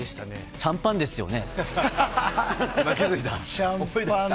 シャンパンですよね？